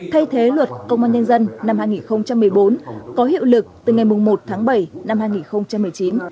thay thế luật công an nhân dân năm hai nghìn một mươi bốn có hiệu lực từ ngày một tháng bảy năm hai nghìn một mươi chín